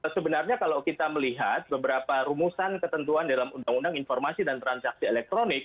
sebenarnya kalau kita melihat beberapa rumusan ketentuan dalam undang undang informasi dan transaksi elektronik